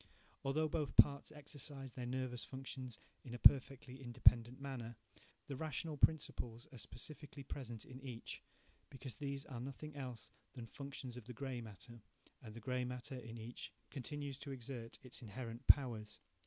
Although both parts exercise their nervous functions in a perfectly independent manner, the rational principles (Vernunft principeen ) are specially present in each, because these are nothing else than functions of the grey matter (Mark function ), and the grey matter in each continues to exert its inherent powers.